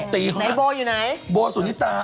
ตีข้างหน้านายโบอยู่ไหนโบสุนิตา